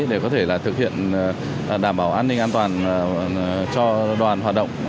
để có thể là thực hiện đảm bảo an ninh an toàn cho đoàn hoạt động